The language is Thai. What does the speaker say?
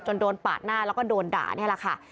โดนปาดหน้าแล้วก็โดนด่านี่แหละค่ะ